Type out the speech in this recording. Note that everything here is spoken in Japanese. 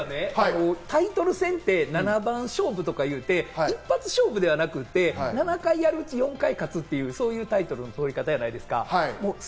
タイトル戦って七番勝負とか言うて、一発勝負ではなくて、７回あるうち、４回勝つという、そういうタイトルの取り方やないですか。